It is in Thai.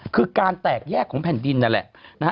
คือการแตกแยกของแผ่นดินนั่นแหละ